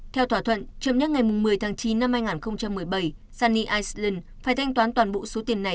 theo thỏa thuận trong nhất ngày một mươi tháng chín năm hai nghìn một mươi bảy sunny iceland phải thanh toán toàn bộ số tiền này